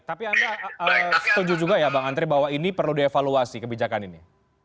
tapi anda setuju juga ya bang andri bahwa ini perlu dievaluasi kebijakan ini